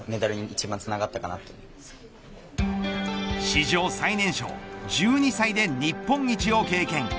史上最年少１２歳で日本一を経験。